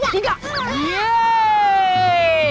nah nih nah nih yuk